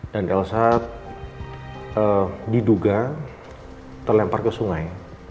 dan elshad diduga terlempar ke sungai